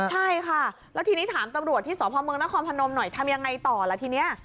ใช่ค่ะแล้วทีนี้ถามตำรวจที่สพเมืองนครพนมหน่อยทำยังไงต่อล่ะทีนี้